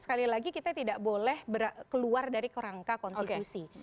sekali lagi kita tidak boleh keluar dari kerangka konstitusi